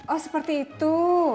oh seperti itu